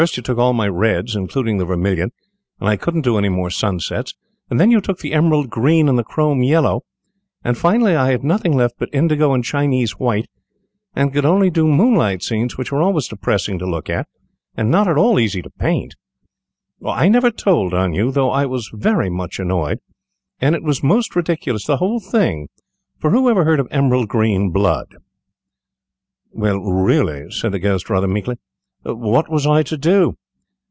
First you took all my reds, including the vermilion, and I couldn't do any more sunsets, then you took the emerald green and the chrome yellow, and finally I had nothing left but indigo and Chinese white, and could only do moonlight scenes, which are always depressing to look at, and not at all easy to paint. I never told on you, though I was very much annoyed, and it was most ridiculous, the whole thing; for who ever heard of emerald green blood?" "Well, really," said the Ghost, rather meekly, "what was I to do?